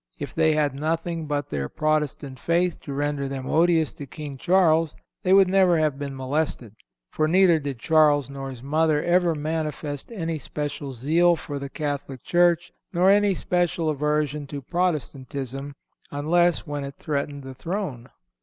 If they had nothing but their Protestant faith to render them odious to King Charles, they would never have been molested; for, neither did Charles nor his mother ever manifest any special zeal for the Catholic Church nor any special aversion to Protestantism, unless when it threatened the throne.